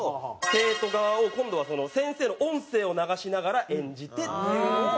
生徒側を今度は先生の音声を流しながら演じてっていうのを撮ってて。